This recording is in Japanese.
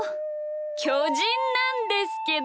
きょじんなんですけど！